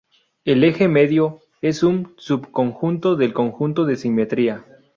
El eje medio es un subconjunto del conjunto de simetría.